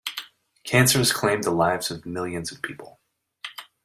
Cancer has claimed the lives of millions of people.